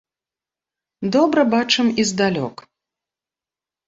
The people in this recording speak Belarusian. Добра бачым і здалёк.